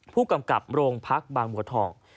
ผู้กำกับโรงพักบางบัวทอง